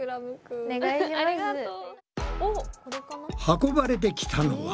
運ばれてきたのは。